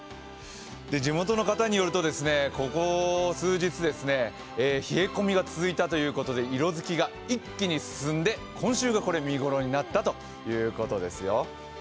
地元の方によると、ここ数日冷え込みが続いたということで色づきが一気に進んで今週が見頃になったということですよ。